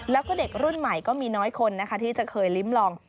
แล้วก็เด็กรุ่นใหม่ก็มีน้อยคนนะคะที่จะเคยลิ้มลอง